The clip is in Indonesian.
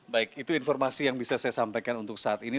baik itu informasi yang bisa saya sampaikan untuk saat ini